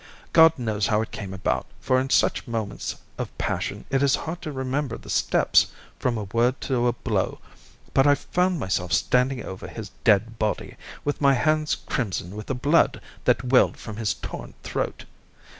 God knows how it came about, for in such moments of passion it is hard to remember the steps from a word to a blow, but I found myself standing over his dead body, with my hands crimson with the blood that welled from his torn throat.